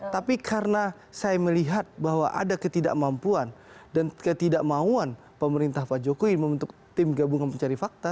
tapi karena saya melihat bahwa ada ketidakmampuan dan ketidakmauan pemerintah pak jokowi membentuk tim gabungan pencari fakta